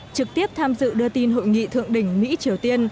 trực tiếp tham dự đưa tin hội nghị thượng đỉnh mỹ triều tiên